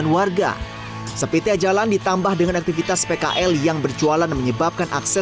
memberitahu saja memberikan teguran kepada warga yang membuang sampah sebarangan itu